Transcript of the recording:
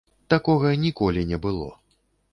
Такога ніколі не было.